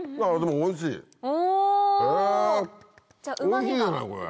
おいしいじゃないこれ。